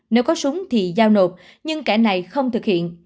nếu có súng thì giao nộp nhưng kẻ này không thực hiện